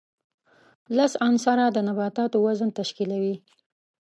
لس عنصره د نباتاتو وزن تشکیلوي.